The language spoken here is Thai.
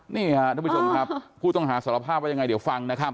นี่ค่ะทุกผู้ชมครับผู้ต้องหาสารภาพว่ายังไงเดี๋ยวฟังนะครับ